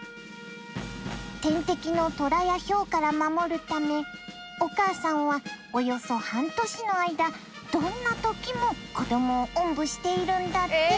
天敵のトラやヒョウから守るためお母さんはおよそ半年の間どんな時も子どもをおんぶしているんだって！